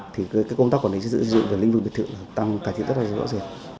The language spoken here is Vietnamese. thì công tác quản lý xây dựng và lĩnh vực biệt thự tăng cải thiện rất là rõ ràng